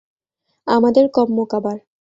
আমাদের কম্ম কাবার।